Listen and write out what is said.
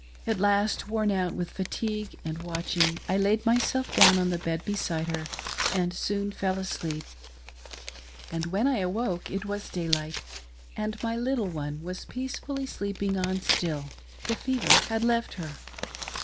At last, worn out with fatigue and watching, I laid myself down on the bed beside her, and soon fell asleep ; and when I awoke it was daylight, and my little one was peacefully sleep ing on still — the fever had left her.